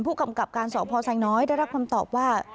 ผู้กำกับการสพไซน้อยได้รับคำตอบว่า